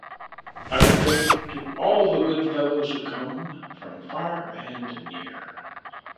I'd drink to all the good fellows who come from far and near.